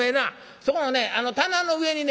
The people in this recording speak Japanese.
そこの棚の上にね